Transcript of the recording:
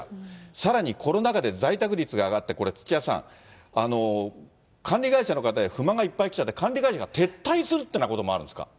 さらにコロナ禍で在宅率が上がってこれ、土屋さん、管理会社の方に不満がいっぱい来ちゃって、管理会社が撤退するっていうこともあるんですか。